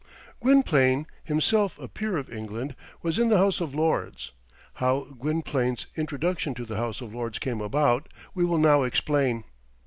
Gwynplaine, himself a peer of England, was in the House of Lords. How Gwynplaine's introduction to the House of Lords came about, we will now explain.